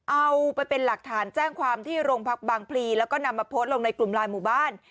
เอาไปเป็นหลักฐานแจ้งความที่โรงพักบางพลีแล้วก็นำมาโพสต์ลงในกลุ่มไลน์หมู่บ้าน